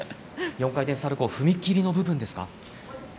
４回転サルコー、踏み切りの部分ですか？